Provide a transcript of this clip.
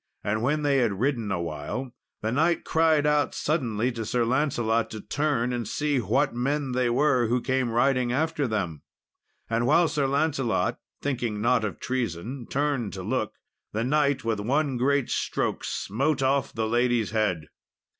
And when they had ridden awhile, the knight cried out suddenly to Sir Lancelot to turn and see what men they were who came riding after them; and while Sir Lancelot, thinking not of treason, turned to look, the knight, with one great stroke, smote off the lady's head.